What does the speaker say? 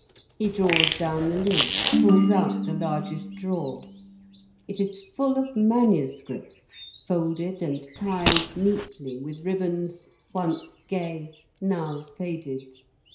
He draws down the lid, pulls out the largest drawer. It is full of manuscripts, folded and tied neatly with ribbons once gay, now faded.